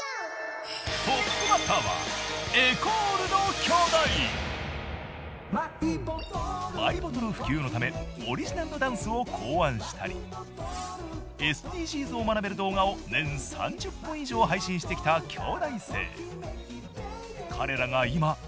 トップバッターはマイボトル普及のためオリジナルのダンスを考案したりＳＤＧｓを学べる動画を年３０本以上配信してきた京大生。